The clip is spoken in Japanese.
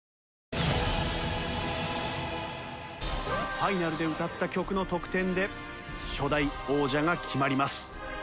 ファイナルで歌った曲の得点で初代王者が決まります。